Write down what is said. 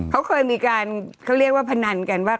เขาเคยมีการเขาเรียกว่าพนันกันว่า